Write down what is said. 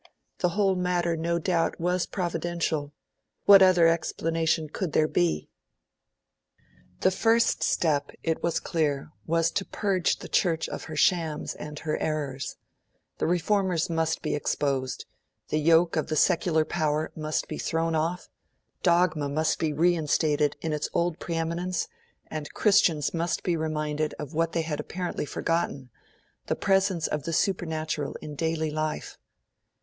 The whole matter, no doubt, was Providential what other explanation could there be? The first step, it was clear, was to purge the Church of her shames and her errors. The Reformers must be exposed; the yoke of the secular power must be thrown off; dogma must be reinstated in its old pre eminence; and Christians must be reminded of what they had apparently forgotten the presence of the supernatural in daily life.